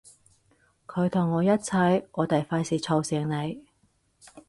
佢同我一齊，我哋費事嘈醒你